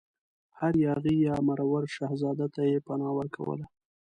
هر یاغي یا مرور شهزاده ته یې پناه ورکوله.